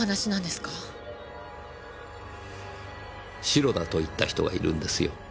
白だと言った人がいるんですよ。